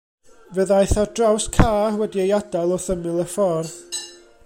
Fe ddaeth ar draws car wedi ei adael wrth ymyl y ffordd.